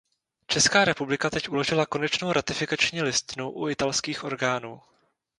Česká republika teď uložila konečnou ratifikační listinu u italských orgánů.